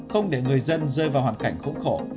không để người dân rơi vào hoàn cảnh khốn khổ